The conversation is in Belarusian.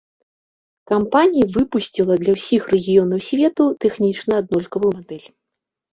Кампанія выпусціла для ўсіх рэгіёнаў свету тэхнічна аднолькавую мадэль.